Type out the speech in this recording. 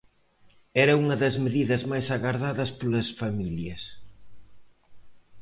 Era unha das medidas máis agardadas polas familias.